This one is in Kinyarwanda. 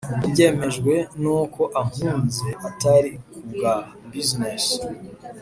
ubyemejwe nuko unkunze atari kubwa business